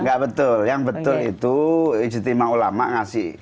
nggak betul yang betul itu ijtima ulama ngasih